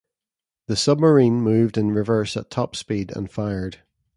The submarine moved in reverse at top speed and fired.